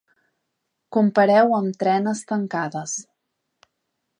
Compareu amb trenes tancades.